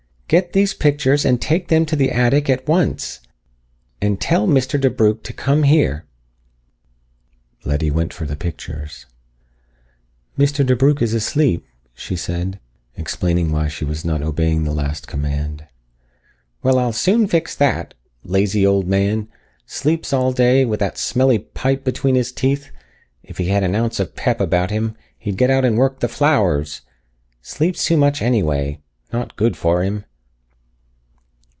"Get these pictures and take them to the attic at once. And tell Mr. DeBrugh to come here." Letty went for the pictures. "Mr. DeBrugh is asleep," she said, explaining why she was not obeying the last command. "Well, I'll soon fix that! Lazy old man! Sleeps all day with that smelly pipe between his teeth. If he had an ounce of pep about him, he'd get out and work the flowers. Sleeps too much anyway. Not good for him."